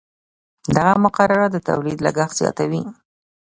دغه مقررات د تولید لګښت زیاتوي.